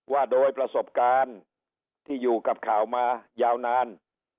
ว่าโดยประสบการณ์ที่อยู่กับข่าวมายาวนาน